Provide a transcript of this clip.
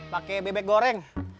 pakai bebek goreng